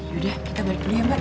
yaudah kita balik dulu ya mbak